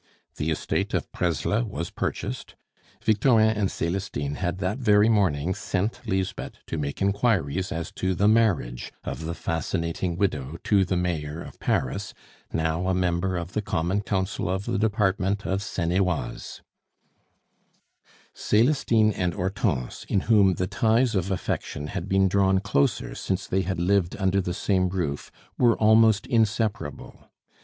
The estate of Presles was purchased. Victorin and Celestine had that very morning sent Lisbeth to make inquiries as to the marriage of the fascinating widow to the Mayor of Paris, now a member of the Common Council of the Department of Seine et Oise. Celestine and Hortense, in whom the ties of affection had been drawn closer since they had lived under the same roof, were almost inseparable.